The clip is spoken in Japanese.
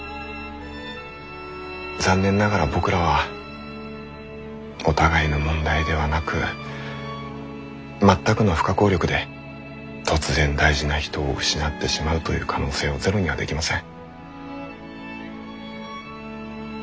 残念ながら僕らはお互いの問題ではなく全くの不可抗力で突然大事な人を失ってしまうという可能性をゼロにはできません。